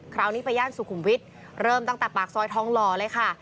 คราวนี้ไปย่านสุขุมวิทย์เริ่มตั้งแต่ปากซอยทองหล่อเลยค่ะ